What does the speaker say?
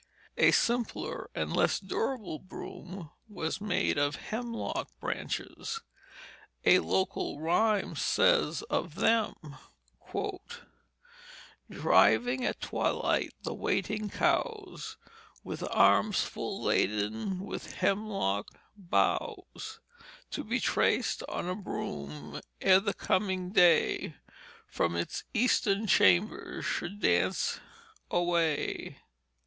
A simpler and less durable broom was made of hemlock branches. A local rhyme says of them: "Driving at twilight the waiting cows, With arms full laden with hemlock boughs, To be traced on a broom ere the coming day From its eastern chambers should dance away."